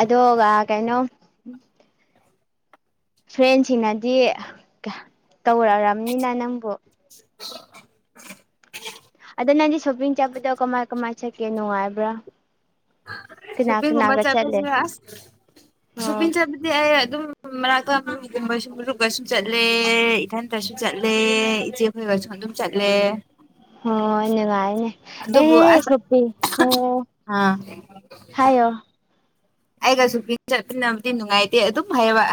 ꯑꯗꯨꯒ ꯀꯩꯅꯣ [inaudible] ꯐ꯭ꯔꯦꯟꯁꯤꯡꯅꯗꯤ ꯇꯧꯔꯛꯕꯅꯤꯅ ꯅꯪꯕꯨ [inaudible] ꯑꯗ ꯅꯪꯗꯤ ꯁꯣꯄꯤꯡ ꯆꯠꯄꯗꯣ ꯀꯃꯥꯏ ꯀꯃꯥꯏ ꯆꯠꯀꯦ ꯅꯨꯡꯉꯥꯏꯕ꯭ꯔꯥ ꯀꯅꯥ ꯁꯣꯄꯤꯡ ꯒꯨꯝꯕ ꯀꯅꯥꯒ ꯆꯠꯄꯁꯨ ꯆꯠꯂꯦ ꯌꯥ ꯑꯁ ꯑꯣ ꯁꯣꯄꯤꯡ ꯆꯠ ꯑꯗꯨꯗꯤ ꯑꯩ ꯑꯗꯨꯝ ꯃꯔꯅꯥꯀꯒꯨꯝꯕꯁꯨ ꯕꯁꯨ ꯆꯠꯂꯦ ꯏꯊꯟꯇꯁꯨ ꯆꯠꯂꯦ ꯏꯆꯦ ꯑꯩꯈꯣꯏꯒꯁꯨ ꯑꯗꯨꯝ ꯆꯠꯂꯦ ꯍꯣꯏ ꯅꯨꯡꯉꯥꯏꯅꯦ ꯑꯗꯨꯕꯨ ꯑꯦ ꯑꯁ ꯁꯣꯄꯤ ꯑꯣ ꯑꯥ ꯍꯥꯏꯌꯣ ꯑꯩꯒꯁꯨ ꯄ ꯆꯠꯃꯤꯟꯅꯕꯗꯤ ꯅꯨꯡꯉꯥꯏꯇꯦ ꯑꯗꯨꯝ ꯍꯥꯏꯕ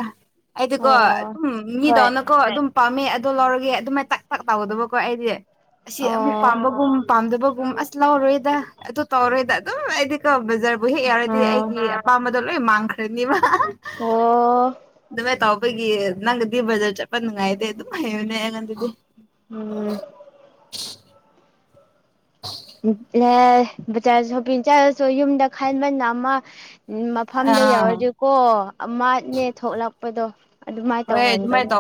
ꯍꯥꯏꯗꯤꯀꯣ ꯑꯣ ꯑꯗꯨꯝ ꯍꯣꯏ ꯃꯤꯗꯅꯀꯣ ꯑꯗꯨꯝ ꯄꯥꯝꯃꯦ ꯑꯗꯣ ꯂꯧꯔꯒꯦ ꯑꯗꯨꯃꯥꯏꯅ ꯇꯛ ꯇꯛ ꯇꯥꯎꯒꯗꯧꯕꯀꯣ ꯑꯩꯗꯤ ꯑꯁꯤ ꯑꯃꯨꯛ ꯑꯣ ꯄꯥꯝꯕꯒꯨꯝ ꯄꯥꯝꯗꯕꯒꯨꯝ ꯑꯁ ꯂꯧꯔꯣꯏꯗ ꯑꯗꯨ ꯇꯧꯔꯣꯏꯗ ꯑꯗꯨꯝ ꯑꯩꯗꯤ ꯀꯣ ꯕꯖꯥꯔꯕꯨ ꯍꯦꯛ ꯌꯥꯎꯔꯗꯤ ꯑꯥ ꯑꯩꯒꯤ ꯑꯄꯥꯝꯕꯗꯣ ꯂꯣꯏ ꯃꯥꯡꯈ꯭ꯔꯅꯤꯕ ꯑꯣ ꯑꯗꯨꯃꯥꯏ ꯇꯥꯎ ꯑꯩꯈꯣꯏꯒꯤ ꯅꯪꯒꯗꯤ ꯕꯖꯥꯔ ꯆꯠꯄ ꯅꯨꯡꯉꯥꯏꯇꯦ ꯑꯗꯨꯝ ꯍꯥꯏꯌꯨꯅꯦ ꯑꯩꯉꯪꯗꯗꯤ ꯎꯝ ꯎꯌꯥꯢ ꯕꯆꯥꯁꯨ ꯍꯄꯤꯟꯆꯥꯔꯁꯨ ꯌꯨꯝꯗ ꯈꯟꯕꯅ ꯑꯃ ꯃꯐꯝꯗ ꯑꯥ ꯌꯧꯔꯗꯤꯀꯣ ꯑꯃꯅꯦ ꯊꯣꯛꯂꯛꯄꯗꯣ ꯑꯗꯨꯃꯥꯏꯅ ꯇꯧ ꯉꯟꯕꯅꯦ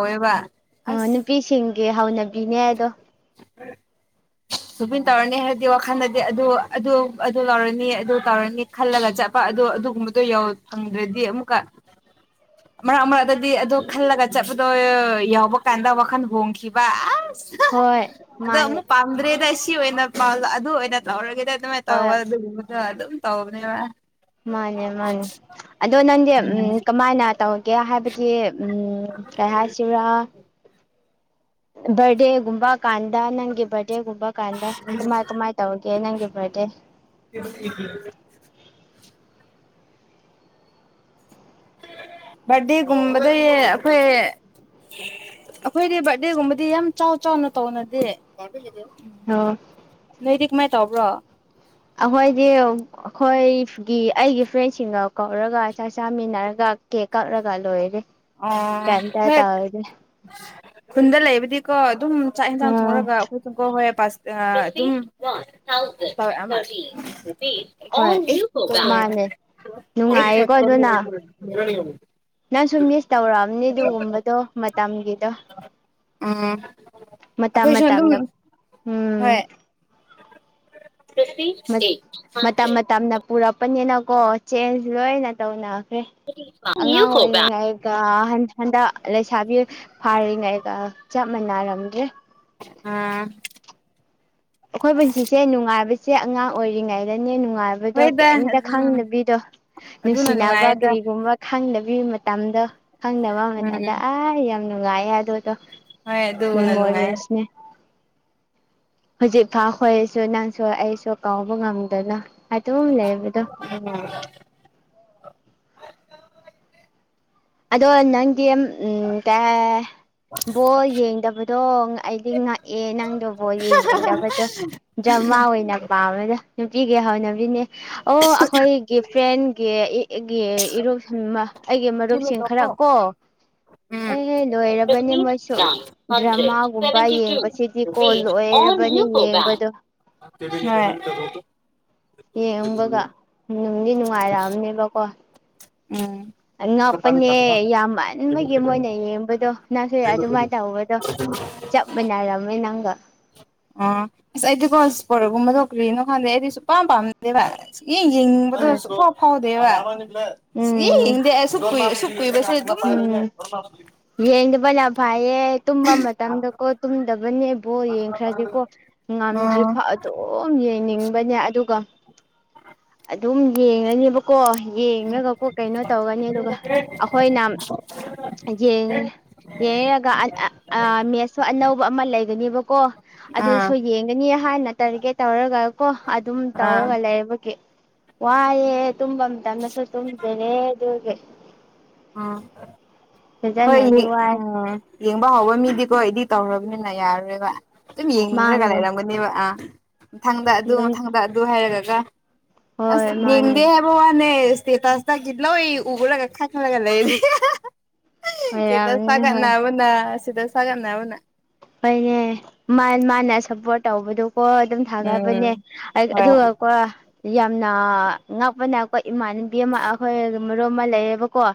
ꯑ ꯑꯣ ꯅꯨꯄꯤꯁꯤꯡꯒꯤ ꯍꯧꯅꯕꯤꯅꯦ ꯑꯗꯣ [inaudible] ꯁꯨꯄꯤꯟ ꯇꯧꯔꯅꯤ ꯍꯥꯏꯔꯗꯤ ꯋꯥꯈꯜꯗꯗꯤ ꯑꯗꯨ ꯑꯗꯨ ꯑꯗꯨ ꯂꯧꯔꯅꯤ ꯑꯗꯨ ꯇꯧꯔꯅꯤ ꯈꯜꯂꯒ ꯆꯠꯄ ꯑꯗꯣ ꯑꯗꯨꯒꯨꯝꯕꯗꯣ ꯐꯪꯗ꯭ꯔꯗꯤ ꯑꯃꯨꯛꯀ [inaudible] ꯃꯔꯛ ꯃꯔꯛꯛꯇꯗꯤ ꯑꯗꯨꯗꯣ ꯈꯜꯂꯒ ꯆꯠꯄꯗꯣ ꯌꯥꯎꯕ ꯀꯥꯟꯗ ꯋꯥꯈꯜ ꯍꯣꯡꯈꯤꯕ ꯑꯁ ꯍꯣꯏ ꯑꯗꯣ ꯃꯥꯅꯦ ꯑꯃꯨꯛ ꯄꯥꯝꯗ꯭ꯔꯦꯗ ꯁꯤ ꯑꯣꯏꯅ ꯄꯥꯎꯗ ꯑꯗꯨ ꯑꯣꯏꯅ ꯇꯧꯔꯒꯦꯗ ꯑꯗꯨꯃꯥꯏ ꯇꯧ ꯍꯣꯏ ꯑꯗꯨꯒꯨꯝꯕꯗꯨ ꯗꯨꯝ ꯇꯧꯕꯅꯦꯕ ꯃꯥꯅꯦ ꯃꯥꯅꯦ ꯑꯗꯣ ꯅꯪ ꯎꯝ ꯀꯃꯥꯏꯅ ꯇꯧ ꯀꯦ ꯍꯥꯏꯕꯗꯤ ꯀꯩ ꯍꯥꯏꯁꯤꯔꯥ ꯕꯔꯗꯦꯒꯨꯝꯕ ꯀꯥꯟꯗ ꯅꯪꯒꯤ ꯕꯥꯔꯗꯦꯒꯨꯝꯕ ꯀꯥꯟꯗ ꯀꯃꯥꯏ ꯀꯃꯥꯏ ꯇꯧꯒꯦ ꯅꯪꯒꯤ ꯕꯥꯔꯗꯦ [inaudible] ꯕꯥꯔꯗꯦꯒꯨꯝꯕꯗꯩ ꯑꯈꯣꯏ ꯑꯩꯈꯣꯏꯗꯤ ꯕꯥꯔꯗꯦꯒꯨꯝꯕꯗꯤ ꯌꯥꯝ ꯆꯥꯎ ꯆꯥꯎꯅ ꯇꯧꯅꯗꯦ ꯎ ꯑꯣ ꯅꯣꯏꯗꯤꯛ ꯃꯥꯏ ꯇꯕ꯭ꯔꯣ ꯑꯩꯈꯣꯏꯗꯤ ꯑꯩꯈꯣꯏꯒꯤ ꯑꯩꯒꯤ ꯐ꯭ꯔꯦꯟꯁꯤꯡꯒ ꯀꯧꯔꯒ ꯆꯥꯛ ꯆꯥꯃꯤꯟꯅꯔꯒ ꯀꯦꯛꯀꯛꯔꯒ ꯂꫭꯏꯔꯦ ꯑꯣ ꯀꯦꯝ ꯇ ꯍꯣꯏ ꯇꯧꯗꯦ ꯈꯨꯟꯗ ꯂꯩꯕꯗꯤꯀꯣ ꯑꯗꯨꯝ ꯆꯥꯛ ꯌꯦꯟꯁꯥꯡ ꯎꯝ ꯊꯣꯡꯔꯒ ꯀ ꯍ ꯄ ꯍꯣꯏ ꯃꯥꯅꯦ ꯅꯨꯡꯉꯥꯏꯌꯦꯀꯣ ꯑꯗꯨꯅ [unintelligible] ꯑꯣ [unintelligible] ꯅꯪꯁꯨ ꯃꯤꯁ ꯇꯧꯔꯛꯑꯝꯅꯤ ꯑꯗꯨꯒꯨꯝꯕꯗꯣ ꯃꯇꯝꯒꯤꯗꯣ ꯎꯝ ꯃꯇꯝ ꯑꯈꯣꯏꯁꯨ ꯑꯗꯨꯝ ꯃꯇꯝꯅ ꯍꯣꯏ ꯎꯝ ꯐꯤꯇꯤ ꯃꯇꯝ ꯍꯟꯗ꯭ꯔꯦ ꯃꯇꯝꯅ ꯄꯨꯔꯛꯄꯅꯤꯅꯀꯣ ꯆꯦꯟꯖ ꯂꯣꯏꯅ ꯇꯧꯅꯈ꯭ꯔꯦ ꯑꯉꯥꯡ ꯑꯣꯏꯔꯤꯉꯥꯏ꯫ ꯀꯥ ꯍꯟꯗꯛ ꯂꯩꯁꯥꯕꯤ ꯐꯥꯔꯤꯉꯩꯒ ꯆꯞ ꯃꯥꯟꯅꯔꯝꯗ꯭ꯔꯦ ꯑꯥ ꯑꯩꯈꯣꯏ ꯄꯨꯟꯁꯤꯁꯦ ꯅꯨꯡꯉꯥꯏꯕꯁꯦ ꯑꯉꯥꯡ ꯑꯣꯏꯔꯤꯉꯩꯗꯅꯦ ꯅꯨꯡꯉꯥꯏꯕ ꯗꯣ ꯍꯣꯏꯗ ꯀꯩꯝꯇ ꯑꯗꯨꯝ ꯈꯪꯗꯕꯤꯗꯣ ꯑꯗꯨꯅ ꯅꯨꯡꯁꯤꯅꯕ ꯅꯨꯡꯉꯥꯏꯌꯦꯗ ꯀꯔꯤꯒꯨꯝꯕ ꯈꯪꯗꯕꯤ ꯃꯇꯝꯗꯣ ꯈꯪꯗꯕ ꯎꯝ ꯃꯇꯝꯗ ꯑꯩ ꯌꯥꯝ ꯅꯨꯡꯉꯥꯏ꯫ ꯍꯣꯏ ꯑꯗꯨꯅ ꯅꯨꯡꯉꯥꯏꯌꯦ ꯃꯦꯃꯣꯔꯤꯁꯅꯦ ꯍꯧꯖꯤꯛꯐꯥꯎꯈꯣꯏꯁꯨ ꯅꯪꯁꯨ ꯑꯩꯁꯨ ꯀꯥꯎꯕ ꯉꯝꯗꯅ ꯑꯗꯨꯝ ꯂꯩꯕꯗꯣ ꯎꯝ ꯑꯗꯣ ꯅꯪꯗꯤ ꯎꯝ ꯀ ꯕꯣ ꯌꯦꯡꯗꯕꯗꯣ ꯑꯩꯗꯤ ꯉꯛꯑꯦ ꯅꯪꯗꫭ ꯌꯦꯡꯅꯤꯡꯗꯕꯗꯣ ꯖ꯭ꯔꯃꯥ ꯑꯣꯏꯅ ꯄꯥꯝꯃꯦꯗ ꯅꯨꯄꯤꯒꯩꯍꯧꯅꯕꯤꯅꯦ ꯑꯣ ꯑꯈꯣꯏꯒꯤ ꯐ꯭ꯔꯦꯟ ꯑꯩ ꯑꯩꯒꯤ ꯑꯩꯒꯤ ꯎꯝ ꯃꯔꯨꯞꯁꯤꯡ ꯈꯔ ꯍꯣꯏ ꯀꯣ ꯂꯣꯏꯔꯕꯅꯦ ꯃꯣꯏꯁꯨ ꯗ꯭ꯔꯃꯥꯒꯨꯝꯕ ꯌꯦꯡꯕꯁꯤꯗꯤ ꯀꯣ ꯂꯣꯏꯔꯕꯅꯦ ꯌꯦꯡꯕꯗꯣ ꯍ ꯌꯦꯡꯕꯒ ꯅꯨꯡꯗꯤ ꯅꯨꯡꯉꯥꯏꯔꯛꯑꯝꯅꯦꯕꯀꯣ ꯎꯝ ꯑꯉꯛꯄꯅꯦ ꯌꯥꯝꯃꯟꯕꯒꯤ ꯃꯣꯏꯅ ꯌꯦꯡꯕꯗꯣ ꯅꯪꯁꯨ ꯑꯗꯨꯃꯥꯏꯅ ꯇꯧꯕꯗꯣ ꯆꯞ ꯃꯥꯟꯅꯔꯝꯃꯦ ꯅꯪꯒ ꯑ ꯑꯁ ꯑꯩꯗꯤ ꯀꯣꯄꯣꯔꯛꯒꯨꯝꯕ ꯇꯧ ꯀ꯭ꯔꯤꯅꯣ ꯈꯥꯟꯗꯦ ꯑꯩꯗꯤꯁꯨꯄꯥꯝ ꯄꯥꯝꯅꯗꯦ ꯚꯥꯏ ꯏꯒꯤ ꯑꯗꯨ ꯍꯣꯏ ꯁꯛꯄ ꯐꯥꯎꯗꯦꯕ ꯎꯝ ꯍꯡꯗꯦꯛꯨꯏꯛ ꯀꯨꯏꯕꯁꯤ [inaudible] ꯎꯝ ꯌꯦꯡꯗꯕꯅ ꯐꯥꯏꯌꯦ ꯇꯨꯝꯕ ꯃꯇꯝꯗꯀꯣ ꯇꯨꯝꯗꯕꯅꯦꯕꯣ ꯌꯦꯡꯈ꯭ꯔꯗꯤꯀꯣ ꯉꯝꯗ꯭ꯔꯤ ꯐ‌ꯎ ꯑꯗꯨꯝ ꯌꯦꯡꯅꯤꯡꯕꯅꯦ ꯑꯗꯨꯒ ꯑꯗꯨꯝ ꯌꯦꯡꯉꯅꯦꯕ ꯀꯣ ꯌꯦꯡꯉꯒꯀꯣ ꯀꯩꯅꯣ ꯇꯧꯒꯅꯤ ꯑꯗꯨꯒ ꯑꯩꯈꯣꯏꯅ꯫ ꯌꯦꯡ ꯌꯦꯡꯔꯒ ꯃꯦꯠꯁꯁꯨ ꯑꯅꯧꯕ ꯑꯃ ꯂꯩꯒꯅꯦꯕꯀꯣ ꯑꯥ ꯑꯗꯨꯁꯨ ꯌꯦꯡꯒꯅꯤ ꯍꯥꯏꯅ ꯇꯔꯒꯦꯠ ꯇꯧꯔꯒ ꯀꯣ ꯑꯗꯨꯝ ꯑꯥ ꯇꯧꯔꯒ ꯂꯩꯕꯒꯤ ꯋꯥꯏꯌꯦ ꯇꯨꯝꯕ ꯃꯇꯝꯗꯁꯨ ꯇꯨꯝꯗꯔꯦ ꯑꯗꯨꯒꯤ ꯎꯝ ꯍꯣꯏ ꯐꯖꯅꯗꯤ ꯋꯥꯏ ꯎꯝ ꯌꯦꯡꯕ ꯍꯧꯕ ꯃꯤꯗꯤꯀꯣ ꯑꯩꯗꯤ ꯇꯧꯔꯕꯅꯤꯅ ꯌꯥꯔꯔꯣꯏꯕ ꯑꯗꯨꯝ ꯌꯦꯡꯔꯒ ꯃꯥꯅꯦ ꯂꯩꯔꯝꯒꯅꯦꯕ ꯑꯥ ꯃꯊꯪꯗ ꯑꯗꯨ ꯑꯗꯨꯝ ꯃꯊꯪꯗ ꯑꯗꯨ ꯍꯥꯏꯔꯒꯒ ꯑꯁ ꯍꯣꯏ ꯃꯥꯅꯦ ꯌꯦꯡꯗꯦ ꯍꯥꯏꯕ ꯄ ꯋꯥꯅꯦ ꯏꯁꯇꯦꯇꯥꯁ ꯇ ꯀꯗ ꯂ ꯎꯒꯨꯂꯒ ꯈꯒ ꯂꯩ ꯁ꯭ꯇꯦꯇꯁ ꯑꯣꯏꯔꯝꯅꯤ ꯍꯣꯏ ꯊꯥꯒꯠꯅꯕꯅ ꯁ꯭ꯇꯦꯇꯁ ꯊꯥꯒꯠꯅꯕꯅ ꯍꯣꯏꯅꯦ ꯃꯥꯅ ꯃꯟꯅ ꯁꯞꯄꯣꯔꯠ ꯇꯧꯕꯗꯨꯀꯣ ꯑꯗꯨꯝ꯫ ꯊꯥꯒꯕꯅꯦ ꯎꯝ ꯍꯣꯏ ꯑꯗꯨꯒ ꯀꯣ ꯌꯥꯝꯅ ꯉꯛꯄꯅ ꯑꯩꯀꯣ ꯏꯃꯥꯟꯅꯨꯕꯤ ꯑꯃ ꯑꯩꯈꯣꯏ ꯃꯔꯨꯞ ꯑꯃ ꯂꯩꯌꯦꯕꯀꯣ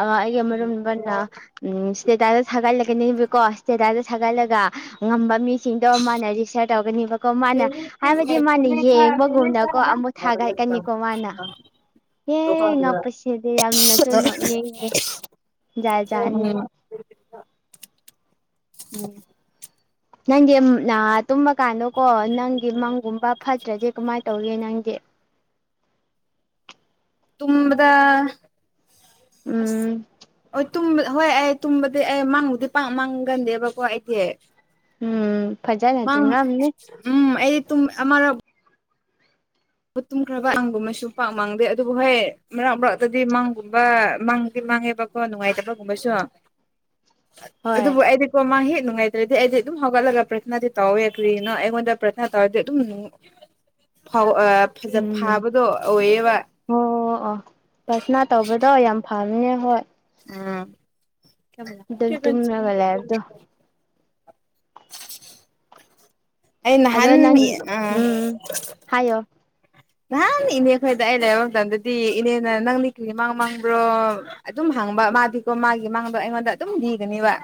ꯑꯩꯒꯤ ꯃꯔꯨꯝ ꯃꯅ ꯎ ꯁ꯭ꯇꯦꯇꯁꯗ ꯊꯥꯒꯜꯂꯒꯅꯤꯕꯀꫭ ꯁꯇꯦ ꯊꯥꯒꯠꯂꯒ ꯉꯝꯕ ꯃꯤ ꯁꯤꯡꯗꯣ ꯃꯥꯅ ꯔꯤꯖꯤꯁꯇꯔ ꯇꯧꯒꯅꯦꯕꯀꯣ ꯃꯥꯅ ꯍꯥꯏꯕꯗꯤ ꯃꯥꯅ ꯌꯦꯡꯕꯒꯨꯝꯅꯀꯣ ꯑꯃꯨ ꯊꯥꯒꯠꯀꯅꯤꯀꯣ ꯃꯥꯅ ꯑꯦ ꯉꯛꯄꯁꯤꯗꯤ ꯌꯥꯝꯅꯁꯨ ꯅꯣꯛꯅꯉꯦ ꯖꯥꯠ ꯖꯥꯠꯅꯦ ꯎꯝ ꯅꯪꯗꯤ ꯅ ꯇꯨꯝꯕ ꯀꯥꯟꯗꯣꯀꯣ ꯅꯪꯒꯤ ꯃꯪꯒꯨꯝꯕ ꯐꯠꯇ꯭ꯔꯗꯤ ꯀꯃꯥꯏꯅ ꯇꯧꯒꯦ ꯅꯪꯗꯤ ꯇꯨꯝꯕꯗ ꯑꯁ ꯎꯝ ꯍꯣꯏ ꯑꯩ ꯇꯨꯝꯕꯗꯤ ꯑꯩ ꯃꯥꯡꯕꯨꯗꯤ ꯄꯥꯛ ꯃꯥꯡꯒꯟꯗꯦꯕꯀꯣ ꯑꯩꯗꯤ ꯎꯝ ꯐꯖꯅ ꯃꯪ ꯇꯨꯝꯔꯝꯅꯤ ꯎꯝ ꯑꯩꯗꯤ ꯇꯨꯝ ꯑꯃꯔꯛ ꯃꯇꯨꯝꯈ꯭ꯔꯕ ꯑꯉꯥꯡꯒꯨꯝꯕꯁꯨ ꯄꯥꯛ ꯃꯥꯡꯗꯦ ꯑꯗꯨꯕꯨ ꯍꯣꯏ ꯃꯔꯥꯛ ꯃꯔꯥꯛꯇꯗꯤ ꯃꯥꯡꯒꯨꯝꯕ ꯃꯥꯡꯗꯤ ꯃꯥꯡꯉꯦꯕ ꯀꯣ ꯅꯨꯡꯉꯥꯏꯇꯕꯒꯨꯝꯕꯁꯨ [inaudible] ꯑꯠ ꯍꯣꯏ ꯑꯗꯨꯕꯨ ꯑꯩꯗꯤ ꯃꯥ ꯍꯦꯛ ꯅꯨꯡꯉꯥꯏꯇ꯭ꯔꯗꯤ ꯑꯩꯗꯤ ꯑꯗꯨꯝ ꯍꯧꯒꯠꯂꯒ ꯄ꯭ꯔꯊꯅꯥꯗꯤ ꯇꯧꯋꯦ ꯀ꯭ꯔꯤꯅ ꯑꯩꯉꯣꯟꯗ ꯄ꯭ꯔꯊꯅꯥ ꯇꯧꯔꯗꯤ ꯑꯗꯨꯝ ꯐꯥꯎ ꯐꯖ ꯎꯝ ꯐꯕꯗꯣ ꯑꯣꯏꯌꯦꯕ ꯑꯣ ꯐꯝꯅꯦ ꯍꯣꯢ ꯎꯝ ꯑꯗꯨꯝ ꯇꯨꯝꯔꯒ ꯂꯩꯕꯗꯣ [unintelligible] ꯑꯩ ꯑꯗꯣ ꯅꯍꯥꯟ ꯅꯪ ꯑꯥ ꯎꯝ ꯍꯥꯏꯌꯣ ꯅꯍꯥꯟ ꯏꯅꯦ ꯈꯣꯏꯗ ꯑꯩ ꯂꯩꯕ ꯃꯇꯝꯗꯗꯤ ꯏꯅꯦꯅ ꯅꯪ ꯗꯤ ꯀꯔꯤ ꯃꯪ ꯃꯪꯕ꯭ꯔꯣ ꯑꯗꯨꯝ ꯍꯪꯕ ꯃꯥꯗꯤꯀꯣ ꯃꯥꯒꯤ ꯃꯥꯡꯗꯣ ꯑꯩꯉꯣꯟꯗ ꯑꯗꯨꯝ ꯂꯤꯒꯅꯦꯕ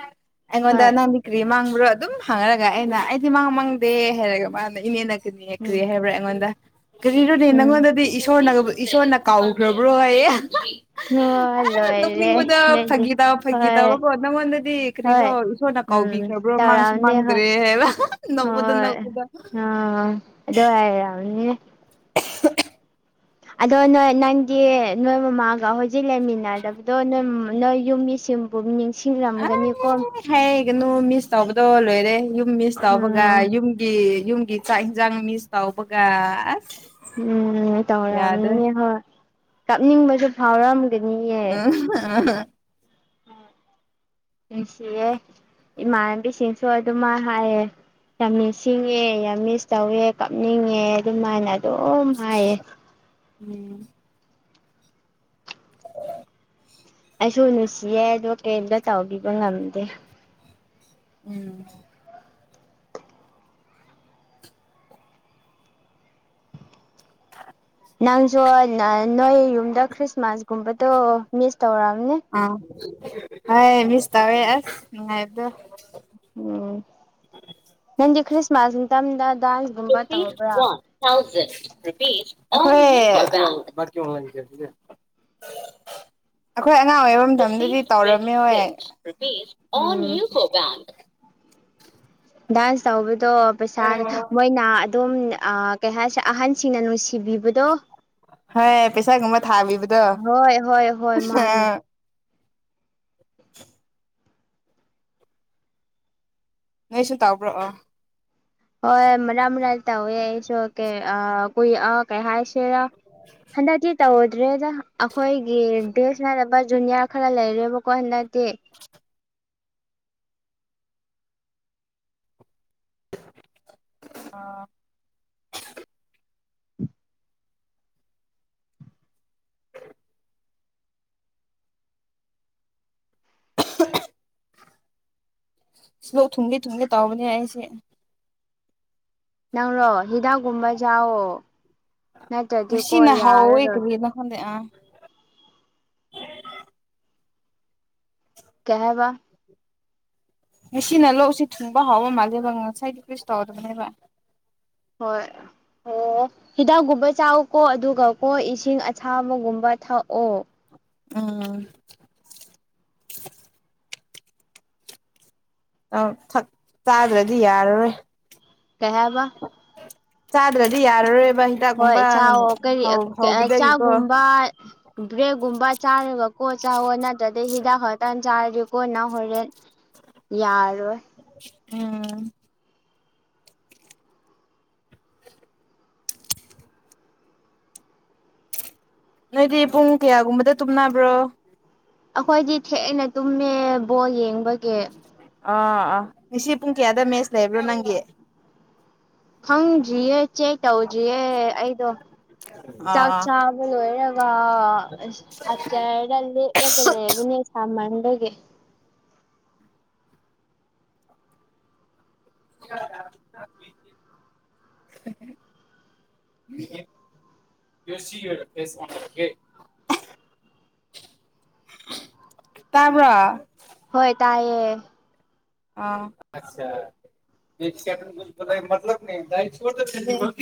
ꯑꯩꯉꯣꯟꯗ ꯍꯣꯏ ꯅꯪꯗꯤ ꯀ꯭ꯔꯤ ꯃꯥꯡꯕ꯭ꯔꯣ ꯑꯗꯨꯝ ꯍꯥꯡꯔꯒ ꯑꯩꯅ ꯑꯩꯗꯤ ꯃꯥꯡ ꯃꯥꯡꯗꯦ ꯍꯥꯏꯔꯒ ꯃꯥꯅ ꯏꯅꯦꯅ ꯀꯔꯤ ꯎꯝ ꯍꯥꯏꯕ꯭ꯔꯥ ꯑꯩꯉꯣꯟꯗ ꯀꯔꯤꯔꯣꯅꯦ ꯎꯝ ꯅꯪꯉꯣꯟꯗꯗꯤ ꯏꯁꯣꯔꯅ ꯏꯁꯣꯔꯅ ꯀꯥꯎꯈ꯭ꯔꯕ꯭ꯔꯣ ꯍꯌꯦ ꯑꯣ ꯑꯥ ꯂꯣꯏꯔꯦ ꯅꫭꯛꯅꯤꯡꯕꯗꫭ ꯅꯣꯏꯗꯤ ꯐꯥꯒꯤ ꯇꯕ ꯐꯥꯒꯤ ꯍꯣꯏ ꯇꯧꯕꯀꯣ ꯅꯪꯉꯣꯟꯗꯗꯤ ꯍꯣꯏ ꯀ꯭ꯔꯤꯔꯣ ꯏꯁꯣꯔꯅ ꯎꯝ ꯀꯥꯎꯕꯤꯈ꯭ꯔꯕ꯭ꯔꯣ ꯃꯥꯡꯁꯨ ꯇꯧꯔꯛꯑꯝꯅꯤ ꯍꯣꯏ ꯃꯥꯡꯗ꯭ꯔꯦ ꯍꯥꯏꯕ ꯅꯣꯛꯕꯗ ꯅꯣꯛꯕꯗ ꯑ ꯑꯗ ꯍꯥꯏꯔꯝꯅꯤ [unintelligible] ꯑꯗꯣ ꯅꯣꯏ ꯅꯪꯗꯤ ꯅꯣꯏ ꯃꯃꯥꯒ ꯍꯧꯖꯤꯛ ꯂꯩꯃꯤꯟꯅꯕꯗꯣ ꯅꯣꯏ ꯅꯣꯏ ꯌꯨꯝ ꯃꯤꯁꯤꯡ ꯔꯨꯝ ꯅꯤꯡꯁꯤꯡꯂꯝꯒꯅꯤꯀꯣ ꯍꯩ ꯀꯩꯅꯣ ꯃꯤꯁ ꯇꯧꯕꯗꯣ ꯂꯣꯏꯔꯦ ꯌꯨꯝ ꯃꯤꯁ ꯇꯧꯕꯒ ꯎꯝ ꯌꯨꯝ ꯀꯤ ꯌꯨꯝꯒꯤ ꯆꯥꯛ ꯌꯦꯟꯁꯥꯡ ꯃꯤꯁ ꯇꯧꯕꯒ ꯑꯁ ꯎꯝ ꯌꯥꯗ꯭ꯔꯦ ꯇꯧꯔꯝꯅꯤ ꯍꯣꯏ ꯀꯥꯞꯅꯤꯡꯕꯁꯨ ꯐꯥꯎꯔꯝ ꯎꯝ ꯑꯍ ꯑꯍꯥ ꯅꯨꯡꯁꯤꯌꯦ ꯏꯃꯥꯟꯅꯕꯤꯁꯤꯡꯁꯨ ꯑꯗꯨꯃꯥꯏ ꯍꯥꯏꯌꯦ ꯌꯥꯝ ꯅꯤꯡꯁꯤꯡꯉꯦ ꯌꯥꯝ ꯃꯤꯁ ꯇꯧꯋꯦ ꯀꯞꯅꯤꯡꯉꯦ ꯑꯗꯨꯃꯥꯏꯅ ꯑꯗꯨꯝ ꯍꯥꯏꯌꯦ ꯎꯝ ꯑꯩꯁꯨ ꯅꯨꯡꯁꯤꯌꯦ ꯑꯗꯣ ꯀꯔꯤꯝꯇ ꯇꯧꯕꯤꯕ ꯉꯝꯗꯦ ꯎꯝ [inaudible] ꯅꯪꯁꯨ ꯅꯣꯏ ꯌꯨꯝꯗ ꯈ꯭ꯔꯤꯁꯃꯥꯁꯒꯨꯝꯕꯗꯣ ꯃꯤꯁ ꯇꯧꯔꯝꯅꯤ ꯑꯥ ꯍꯥꯏ ꯃꯤꯁ ꯇꯧꯋꯦ ꯑꯁ ꯅꯨꯡꯉꯥꯏꯇꯦ ꯎꯝ ꯅꯪꯗꯤ ꯈ꯭ꯔꯤꯁꯃꯥꯁ ꯃꯇꯗ ꯗꯥꯟꯁ ꯏ ꯋꯥ [unintelligible] [inaudible] ꯑꯩꯈꯣꯏ ꯑꯉꯥꯡ ꯑꯣꯏꯕ ꯃꯇꯝꯗꯗꯤ ꯇꯧꯔꯝꯃꯦ ꯍꯣꯏ ꯑꯣꯟ ꯎꯝ ꯌꯨ ꯄꯣꯒꯥꯝ ꯗꯥꯟꯁ ꯇꯧꯕꯗꯣ ꯄꯩꯁꯥ ꯃꯣꯏꯅ ꯇꯨꯝ ꯑꯥ ꯀꯩ ꯍꯥꯏꯁꯦ ꯑꯍꯟꯁꯤꯡꯅ ꯅꯨꯡꯁꯤꯕꯤꯕꯗꯣ ꯍꯣꯏ ꯄꯩꯁꯥꯒꯨꯝꯕ ꯊꯥꯕꯤꯕꯗꯣ ꯍꯣꯏ ꯍꯣꯏ ꯍꯣꯏ ꯃꯥꯅꯦ ꯑ [inaudible] ꯅꯣꯏꯁꯨ ꯇꯥꯎꯕ꯭ꯔꯣꯑꯣ ꯍꯣꯏ ꯃꯔꯛ ꯃꯔꯛ ꯇꯧꯋꯦ ꯑꯩꯁꯨ ꯀꯦ ꯀꯨꯏ ꯑ ꯀꯩ ꯍꯥꯏꯁꯤꯔ ꯍꯟꯗꯛꯇꯤ ꯇꯧꯗ꯭ꯔꯦꯗ ꯑꯩꯈꯣꯏꯒꯤ ꯕꯦꯁꯃꯅꯕ ꯖꯨꯅꯤꯌꯥꯔ ꯈꯔ ꯂꯩꯔꯦꯕꯀꯣ ꯍꯟꯗꯛꯇꯤ ꯑꯥ ꯁꯤꯂꯣꯛ ꯊꯨꯝꯒꯦ ꯊꯨꯝꯒꯦ ꯇꯥꯎꯕꯅꯦ ꯑꯩꯁꯦ ꯅꯪꯔꯣ ꯍꯤꯗꯥꯛꯀꯨꯝꯕ ꯌꯥꯋꯣ ꯅꯠꯇ꯭ꯔꯗꯤꯀꯣ ꯌꯥꯔꯔꯣꯏ ꯀꯗ ꯍꯣꯗꯦ ꯑ ꯀꯍꯕ ꯉꯁꯤꯅ ꯂꯣꯛꯁꯤ ꯊꯨꯡꯕ ꯍꯥꯎꯕ ꯃꯥꯜꯂꯦꯕ ꯉꯁꯥꯏꯒꯤ ꯀꯩꯁ ꯇꯧꯗꯕꯅꯦꯕ ꯍꯣꯏ ꯑꯣ ꯍꯤꯗꯥꯛꯒꯨꯝꯕ ꯆꯥꯎꯀꯣ ꯑꯗꯨꯒ ꯀꯣ ꯏꯁꯤꯡ ꯑꯁꯥꯕꯒꯨꯝꯕ ꯊꯛꯑꯣ ꯑꯥ ꯛ ꯆꯥꯗ꯭ꯔꯗꯤ ꯌꯥꯔꯔꯣꯏ ꯀꯍꯕ ꯆꯗ꯭ꯔꯗꯤ ꯌꯥꯔꯔ ꯑꯦꯕ ꯍꯣꯏ ꯆꯥ ꯀꯔꯤ ꯆꯥꯒꯨꯝꯕ ꯕ꯭ꯔꯦꯛꯒꯨꯝꯕ ꯆꯥꯔꯒ ꯀꯣ ꯆꯥꯋꯣ ꯅꯠꯇ꯭ꯔ ꯍꯤꯗꯥꯛ ꯈꯇ ꯆꯥꯔꯤ ꯀꯣꯅ ꯍꯣꯔꯦꯟ ꯌꯥꯔꯣꯏ ꯑꯝ ꯅꯣꯏꯗꯤ ꯄꯨꯡ ꯀꯌꯥꯒꯨꯝꯕꯗ ꯇꯨꯝꯅꯕ꯭ꯔꯣ ꯑꯩꯈꯣꯏꯗꯤ ꯊꯦꯡꯅ ꯇꯨꯝꯃꯦ ꯕꯣꯜ ꯌꯦꯡꯕꯒꯤ ꯑ ꯑꯥ ꯉꯁꯤ ꯄꯨꯡ ꯀꯌꯥꯗ ꯃꯦꯁ ꯂꯩꯕ꯭ꯔꯣ ꯅꯪꯒꯤ ꯈꯪꯗ꯭ꯔꯤꯌꯦ ꯆꯦꯛ ꯇꯧꯗ꯭ꯔꯤꯌꯦ ꯑꯩꯗꯣ ꯑꯥ ꯆꯥꯛ ꯑꯥ ꯆꯥꯕ ꯂꯣꯏꯔꯕ ꯑꯆꯔ ꯂꯩ ꯑꯣꯏꯒ ꯂꯩꯦꯕꯅꯦ ꯁꯃꯟꯒꯤ [unintelligible] [inaudible] ꯌꯣꯁꯤ ꯐꯦꯁ ꯋꯥꯟꯦ ꯇꯥꯕ ꯍꯣꯏ ꯇꯥꯏꯌꯦ ꯃꯏ